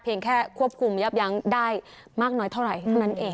แค่ควบคุมยับยั้งได้มากน้อยเท่าไหร่เท่านั้นเอง